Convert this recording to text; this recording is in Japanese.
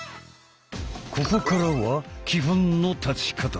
ここからは基本の立ち方。